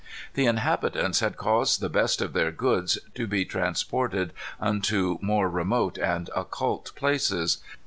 "The inhabitants had caused the best of their goods to be transported unto more remote and occult places.